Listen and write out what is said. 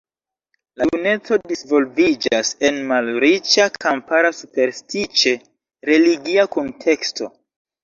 La juneco disvolviĝas en malriĉa, kampara superstiĉe religia kunteksto.